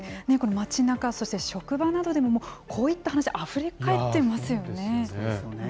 街なか、そして職場などでも、こういった話、あふれかえってますそうですよね。